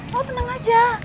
lo tenang aja